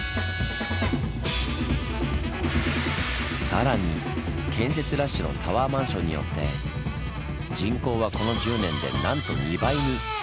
更に建設ラッシュのタワーマンションによって人口はこの１０年でなんと２倍に。